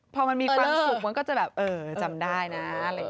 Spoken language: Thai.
พอมันมีความสุขมันก็จะแบบเออจำได้นะอะไรอย่างนี้